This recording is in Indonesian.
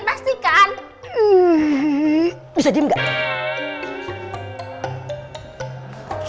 pasti kan maha lu sagitar